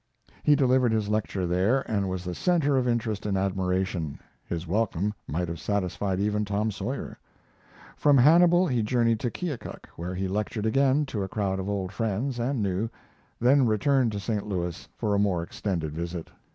He delivered his lecture there, and was the center of interest and admiration his welcome might have satisfied even Tom Sawyer. From Hannibal he journeyed to Keokuk, where he lectured again to a crowd of old friends and new, then returned to St. Louis for a more extended visit.